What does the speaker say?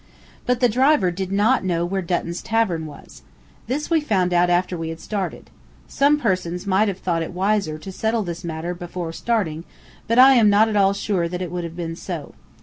But the driver did not know where Dutton's tavern was. This we found out after we had started. Some persons might have thought it wiser to settle this matter before starting, but I am not at all sure that it would have been so.